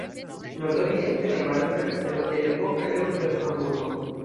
Nordoriente najbaras la rivero Elbo kaj la urbego Hamburgo.